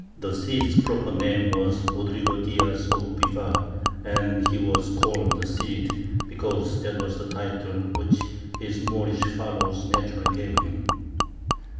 The Cid's proper name was Rodrigo Diaz of Bivar, and he was called the Cid because that was the title which his Moorish followers naturally gave him.